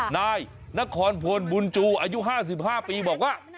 นายนครพลบุญจูอายุ๕๕ปีบอกว่า